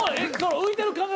浮いてる感覚は。